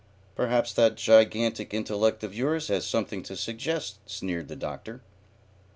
"Perhaps that gigantic intellect of yours has something to suggest," sneered the Doctor.